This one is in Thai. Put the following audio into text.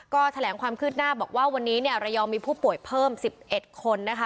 ก็แถลงความคืบหน้าบอกว่าวันนี้เนี่ยระยองมีผู้ป่วยเพิ่ม๑๑คนนะคะ